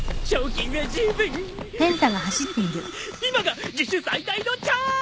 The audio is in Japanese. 今が自首最大のチャンス！